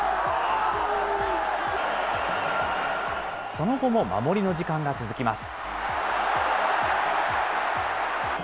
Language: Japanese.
その後も守りの時間が続きます。